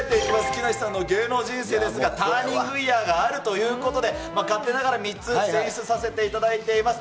木梨さんの芸能人生ですが、ターニングイヤーがあるということで、勝手ながら３つ、選出させていただいています。